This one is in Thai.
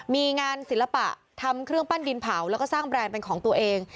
มีงานศิลปะทำเครื่องปั้นดินเผาแล้วก็สร้างแบรนด์เป็นของตัวเอง